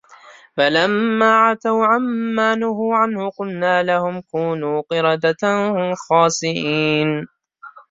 فلما عتوا عن ما نهوا عنه قلنا لهم كونوا قردة خاسئين